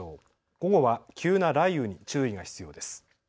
午後は急な雷雨に注意が必要です。